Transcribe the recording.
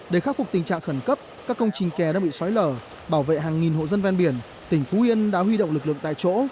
để khắc phục tình trạng khẩn cấp các công trình kè đã bị xói lở bảo vệ hàng nghìn hộ dân ven biển tỉnh phú yên đã huy động lực lượng tại chỗ